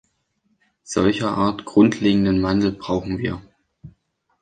Solcherart grundlegenden Wandel brauchen wir.